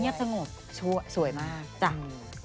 เหนียบสงบสวยมาก